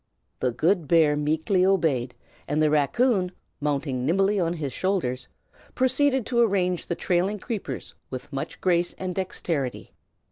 The good bear meekly obeyed, and the raccoon, mounting nimbly upon his shoulders, proceeded to arrange the trailing creepers with much grace and dexterity.